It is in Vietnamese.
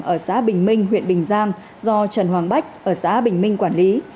ở xã bình minh huyện bình giang do trần hoàng bách ở xã bình minh quản lý